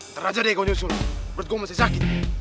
ntar aja deh kau nyusul berarti gua masih sakit